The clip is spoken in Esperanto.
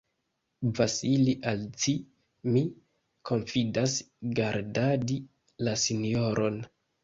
Vasili, al ci mi konfidas gardadi la sinjoron.